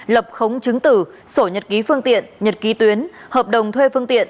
lập khống chứng tử sổ nhật ký phương tiện nhật ký tuyến hợp đồng thuê phương tiện